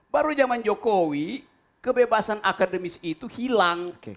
baru zaman jokowi kebebasan akademis itu hilang